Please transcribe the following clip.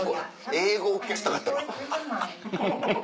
英語を聞かせたかったの？